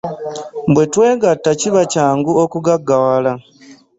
Bwe twegatta kiba kyangu okugaggawala.